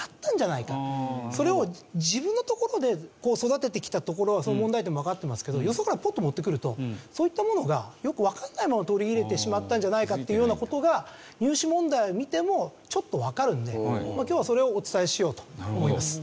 それを自分のところで育ててきたところは問題点もわかってますけどよそからポッと持ってくるとそういったものがよくわからないまま取り入れてしまったんじゃないかっていうような事が入試問題を見てもちょっとわかるんで今日はそれをお伝えしようと思います。